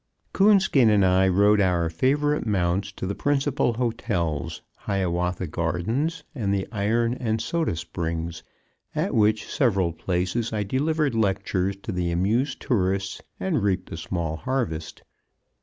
Coonskin and I rode our favorite mounts to the principal hotels, Hiawatha Gardens and the iron and soda springs, at which several places I delivered lectures to the amused tourists and reaped a small harvest.